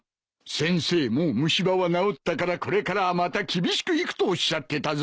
先生もう虫歯は治ったからこれからはまた厳しくいくとおっしゃってたぞ。